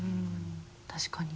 確かに。